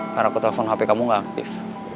karena aku telpon hp kamu gak aktif